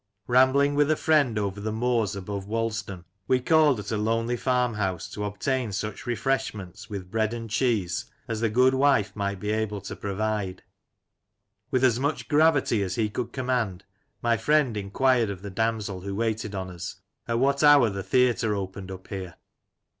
Rambling with a friend over the moors above Walsden, we called at a lonely farm house to obtain such refreshments with bread and cheese as 150 Lancashire Characters and Places, the goodwife might be able to provide. With as much gravity as he could command, my friend enquired of the damsel who waited on us, at what hour the theatre opened up there.